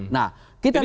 nah kita lihat